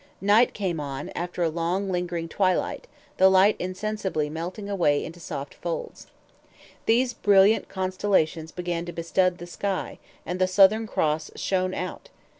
Night came on after a long lingering twilight, the light insensibly melting away into soft shades. These brilliant constellations began to bestud the sky, and the Southern Cross shone out.